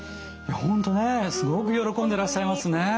本当ねすごく喜んでらっしゃいますね。